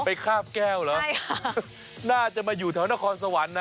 คาบแก้วเหรอน่าจะมาอยู่แถวนครสวรรค์นะ